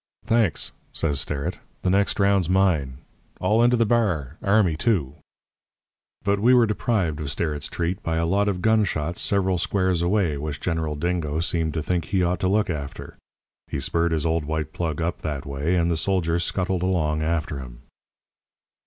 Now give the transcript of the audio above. "'Thanks,' says Sterrett. 'The next round's mine. All in to the bar. Army, too.' "But we were deprived of Sterrett's treat by a lot of gunshots several squares sway, which General Dingo seemed to think he ought to look after. He spurred his old white plug up that way, and the soldiers scuttled along after him.